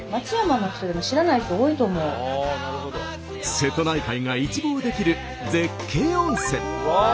瀬戸内海が一望できる絶景温泉。